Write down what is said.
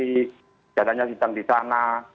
tidak adanya sidang di sana